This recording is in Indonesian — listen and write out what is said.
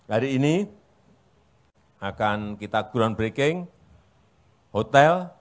hari ini akan kita groundbreaking hotel